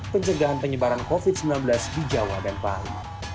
pencegahan penyebaran covid sembilan belas di jawa dan bali